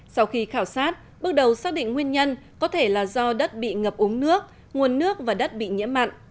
sau khi khảo sát bước đầu xác định nguyên nhân có thể là do đất bị ngập úng nước nguồn nước và đất bị nhiễm mặn